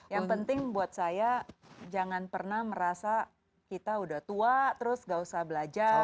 yang penting buat saya jangan pernah merasa kita udah tua terus gak usah belajar